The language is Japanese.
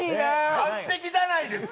完璧じゃないですか。